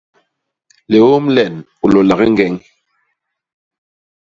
Liôm len, u lôlak i ñgeñ!